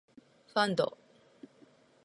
ファンド